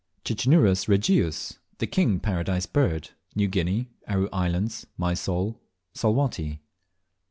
4. Cicinnurus regius (The King Paradise Bird). New Guinea, Aru Islands, Mysol, Salwatty.